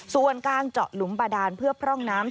ส่วนการเจาะหลุมบาดานเพื่อพร่องน้ำ